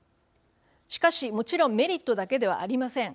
しかし、もちろんメリットだけではありません。